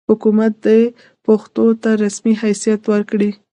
حکومت دې پښتو ته رسمي حیثیت ورکړي.